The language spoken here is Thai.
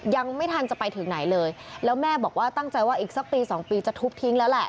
ยังไม่ทันจะไปถึงไหนเลยแล้วแม่บอกว่าตั้งใจว่าอีกสักปีสองปีจะทุบทิ้งแล้วแหละ